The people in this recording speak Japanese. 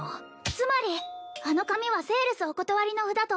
つまりあの紙はセールスお断りの札と